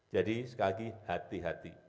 jadi sekali lagi hati hati